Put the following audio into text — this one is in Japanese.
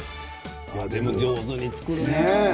でも上手に作るね。